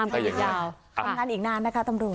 ตามคำนั้นอีกนานนะคะต้องดู